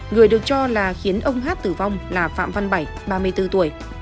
người được cho là khiến ông hát tử vong là phạm văn bảy ba mươi bốn tuổi